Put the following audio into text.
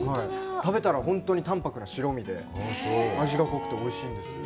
食べたら本当に淡泊な白身で、味が濃くて、おいしいんですよ。